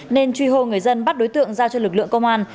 nên truy hô người dân bắt đối tượng giao cho lực lượng công an